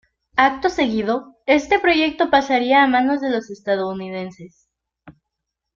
Acto seguido, este proyecto pasaría a manos de los estadounidenses.